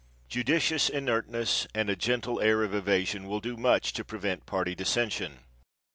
Judicious inertness and a gentle air of evasion will do much to prevent party dissension.